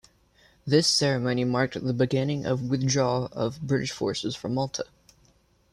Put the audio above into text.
This ceremony marked the beginning of the withdrawal of British Forces from Malta.